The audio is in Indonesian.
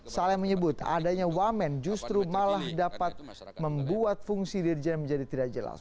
saleh menyebut adanya wamen justru malah dapat membuat fungsi dirjen menjadi tidak jelas